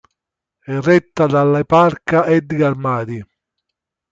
È retta dall'eparca Edgar Madi.